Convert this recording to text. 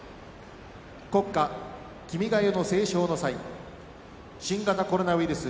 国歌「君が代」の斉唱の際新型コロナウイルス